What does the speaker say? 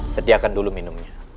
sediakan dulu minumnya